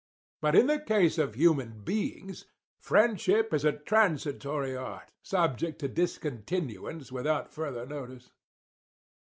"But in the case of human beings, friendship is a transitory art, subject to discontinuance without further notice.